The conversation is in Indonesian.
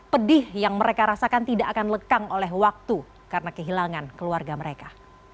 pedih yang mereka rasakan tidak akan lekang oleh waktu karena kehilangan keluarga mereka